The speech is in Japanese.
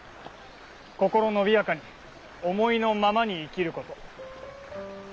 心伸びやかに思いのままに生きること。